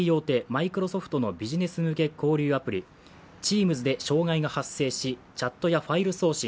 マイクロソフトのビジネス向け交流アプリＴｅａｍｓで障害が発生しチャットやファイル送信